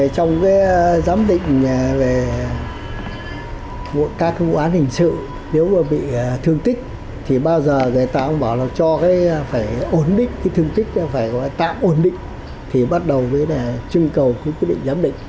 trong giám định về các vụ án hình sự nếu mà bị thương tích thì bao giờ người ta không bảo là cho phải ổn định cái thương tích phải tạm ổn định thì bắt đầu mới là trưng cầu quyết định giám định